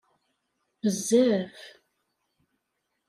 Bezzaf!